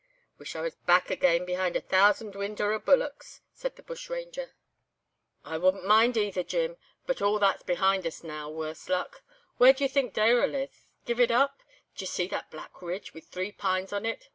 "'Wish I was back again behind a thousand Windorah bullocks,' said the bushranger. "'I wouldn't mind either, Jim. But all that's behind us now—worse luck! Where do you think Dayrell is? Give it up? D'ye see that black ridge, with three pines on it?